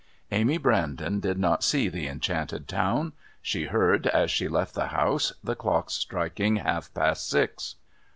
Amy Brandon did not see the enchanted town. She heard, as she left the house, the clocks striking half past six.